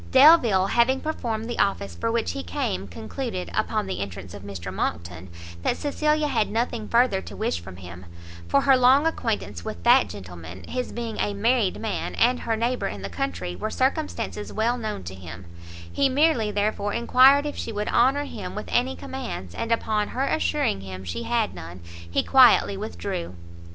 Delvile, having performed the office for which he came, concluded, upon the entrance of Mr Monckton, that Cecilia had nothing further to wish from him; for her long acquaintance with that gentleman, his being a married man, and her neighbour in the country, were circumstances well known to him; he merely, therefore, enquired if she would honour him with any commands, and upon her assuring him she had none, he quietly withdrew.